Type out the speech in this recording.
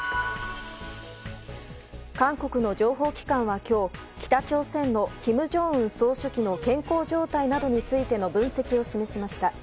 韓国の情報機関は今日、北朝鮮の金正恩総書記の健康状態などについての分析を示しました。